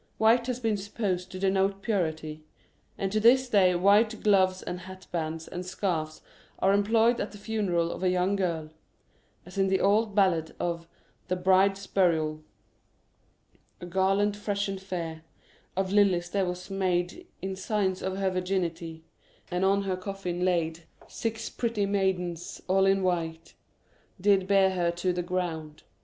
White has been supposed to denote purity ; and to this day white gloves and hat bands and scarves are employed at the funeral of a young girl, as in the old ballad of "The Bride's Burial ":— 2 The Meaning of Mourning A garland fresh and fair Of lilies there was made, In signs of her virginity, And on her coffin laid. Six pretty maidens, all in white^ Did bear her to the ground.